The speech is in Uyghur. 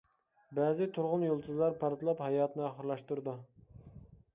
بەزى تۇرغۇن يۇلتۇزلار پارتلاپ ھاياتىنى ئاخىرلاشتۇرىدۇ.